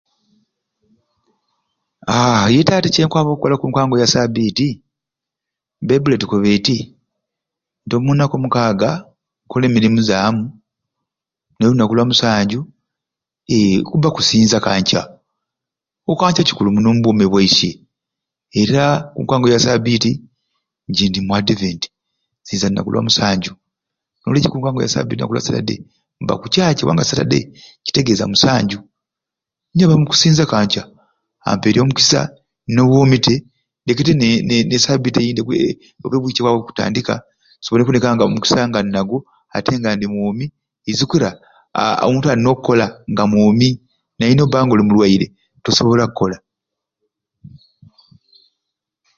Aaa yete ati kyenkwakola okunkango ya sabbiiti ebaibuli etukoba eti nti omuunaku omukaaga kola emirimu zamu naye olunaku olwa musanju eee kubba kusinza Kanca, Okanca kikulu muno ombwomi bwaiswe era okunkango ya sabbiiti nje ndi mw'adiventi nsinza ku lunaku lwa musanju n'olwekyo okunkango ya sabiti olunaku lwa satadde mba ku caaci kubanga satadde kitegeza musanju nyaba mu kusinza Kanca amperye omukisa n'obwomi tte leke tte n'esabbiiti eyindi oba ewiiki okwakutandika nsobole okubba nga omukisa nga ndi nagwo atenga tte nga ndi mwomi izukira aaa omuntu alina okola nga mwomi naye n'obba nga oli mulwaire tosobola kukola.